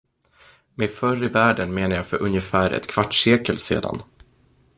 Med förr i världen menar jag för ungefär ett kvartssekel sedan.